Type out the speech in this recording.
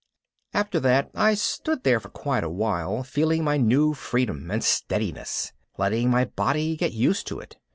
After that I just stood there for quite a while, feeling my new freedom and steadiness, letting my body get used to it.